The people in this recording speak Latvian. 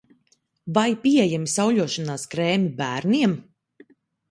Vai pieejami sauļošanās krēmi bērniem?